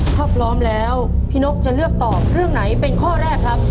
ถ้าพร้อมแล้วพี่นกจะเลือกตอบเรื่องไหนเป็นข้อแรกครับ